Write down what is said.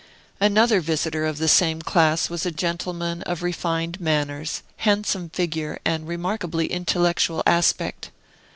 Another visitor of the same class was a gentleman of refined manners, handsome figure, and remarkably intellectual aspect.